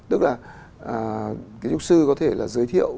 tức là kiến trúc sư có thể là giới thiệu